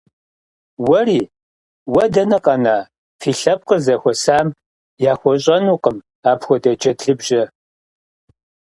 Уэри? Уэ дэнэ къэна, фи лъэпкъыр зэхуэсам яхуэщӀынукъым апхуэдэ джэдлыбжьэ.